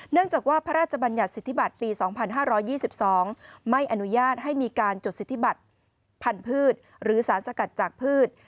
จากว่าพระราชบัญญัติสิทธิบัตรปี๒๕๒๒ไม่อนุญาตให้มีการจดสิทธิบัติพันธุ์หรือสารสกัดจากพืช